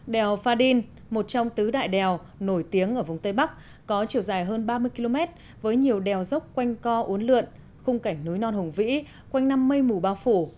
đèo pha đin một trong tứ đại đèo nổi tiếng ở vùng tây bắc có chiều dài hơn ba mươi km với nhiều đèo dốc quanh co uốn lượn khung cảnh núi non hùng vĩ quanh năm mây mù bao phủ